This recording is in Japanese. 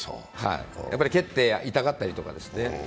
蹴って、痛がったりとかですね。